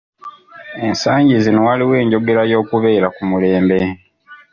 Ensangi zino waliwo enjogera y'okubeera ku mulembe.